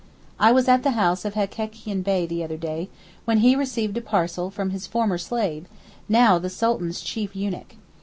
I was at the house of Hekekian Bey the other day when he received a parcel from his former slave, now the Sultan's chief eunuch.